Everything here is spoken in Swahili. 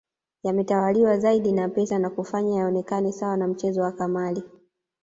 Yametawaliwa zaidi na pesa na kuyafanya yaonekane sawa na mchezo wa kamali